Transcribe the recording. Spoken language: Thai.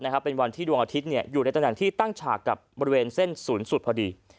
เป็นวันที่ดวงอาทิตย์อยู่ในตำแหน่งที่ตั้งฉากกับบริเวณเส้นศูนย์สุดพอดี